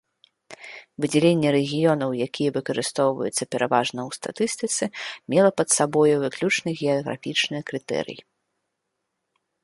Выдзяленне рэгіёнаў, якія выкарыстоўваюцца пераважна ў статыстыцы, мела пад сабою выключна геаграфічны крытэрый.